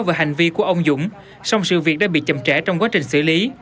về hành vi của ông dũng song sự việc đã bị chậm trễ trong quá trình xử lý